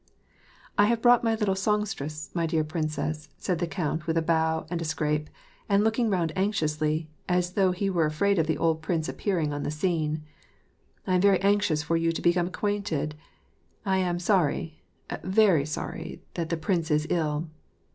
"I have brought my little songstress, my dear princess," said the count with a bow and a scrape, and looking round anxiously, as though he were afraid of the old prince appear ing on the scene. " I am very anxious for you to become ac quainted. ... I am sorry, very sorry, that the prince is ill."